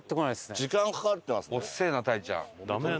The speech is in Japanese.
時間かかってますね。